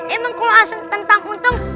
emang kalau tentang untung